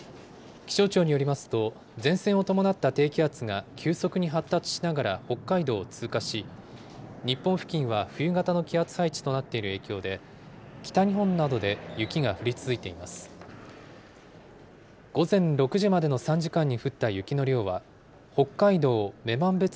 気象庁によりますと、前線を伴った低気圧が急速に発達しながら北海道を通過し、日本付近は冬型の気圧配置となっている影響で、北日本などで雪が降り続いています。